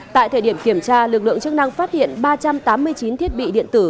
tại thời điểm kiểm tra lực lượng chức năng phát hiện ba trăm tám mươi chín thiết bị điện tử